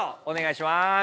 お願いします。